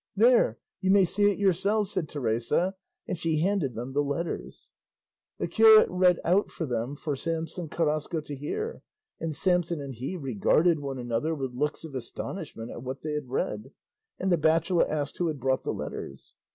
"There, you may see it yourselves," said Teresa, and she handed them the letters. The curate read them out for Samson Carrasco to hear, and Samson and he regarded one another with looks of astonishment at what they had read, and the bachelor asked who had brought the letters.